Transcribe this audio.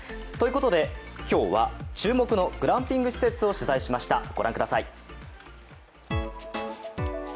ということで、今日は注目のグランピング施設を取材しました。